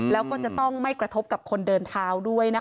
แล้วก็จะต้องไม่กระทบกับคนเดินเท้าด้วยนะคะ